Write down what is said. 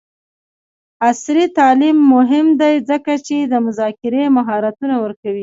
عصري تعلیم مهم دی ځکه چې د مذاکرې مهارتونه ورکوي.